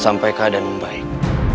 sampai keadaan membaik